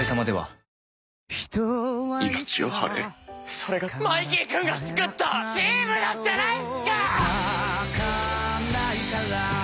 「それがマイキー君がつくったチームなんじゃないっすか！？」